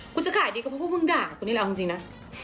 กูจะขายดีกับพวกมึงด่ากูนี่แหละเอาจริงนะ